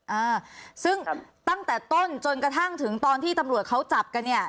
อ่าซึ่งตั้งแต่ต้นจนกระทั่งถึงตอนที่ตำรวจเขาจับกันเนี่ย